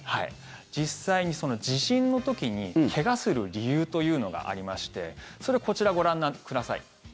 実際に、地震の時に怪我する理由というのがありましてそれこちらご覧になってください。